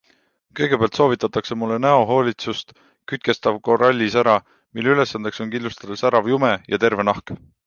Kõigepealt soovitatakse mulle näohoolitsust Kütkestav korallisära, mille ülesandeks on kindlustada särav jume ja terve nahk.